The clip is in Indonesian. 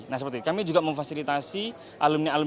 nah seperti kami juga memfasilitasi alumni alumni